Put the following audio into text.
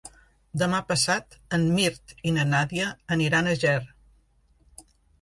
Demà passat en Mirt i na Nàdia aniran a Ger.